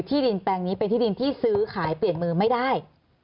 ดินแปลงนี้เป็นที่ดินที่ซื้อขายเปลี่ยนมือไม่ได้